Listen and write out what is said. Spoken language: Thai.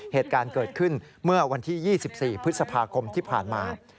เหตุการณ์เกิดขึ้นเมื่อวันที่๒๔พฤษภาคมที่ผ่านมา